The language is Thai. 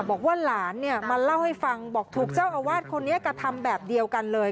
บอกว่าหลานเนี่ยมาเล่าให้ฟังบอกถูกเจ้าอาวาสคนนี้กระทำแบบเดียวกันเลย